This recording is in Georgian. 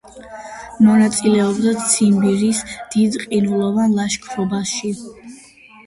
მონაწილეობდა ციმბირის „დიდ ყინულოვან“ ლაშქრობაში.